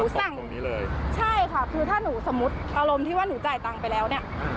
ถ้าหนูสมมุติอารมณ์ที่หนูจ่ายตังม์ไปแล้วเนี่ย